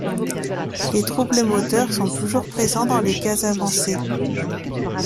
Les troubles moteurs sont toujours présents dans les cas avancés.